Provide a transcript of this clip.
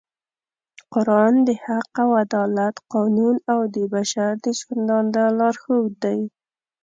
قرآن د حق او عدالت قانون او د بشر د ژوندانه لارښود دی